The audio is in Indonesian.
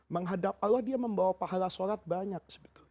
menghadap allah dia membawa pahala sholat banyak